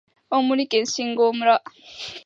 青森県新郷村